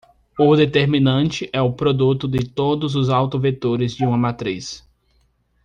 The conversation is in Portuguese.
O determinante é o produto de todos os autovetores de uma matriz.